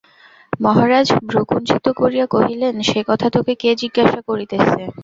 মহারাজ ভ্রূকুঞ্চিত করিয়া কহিলেন, সে-কথা তোকে কে জিজ্ঞাসা করিতেছে?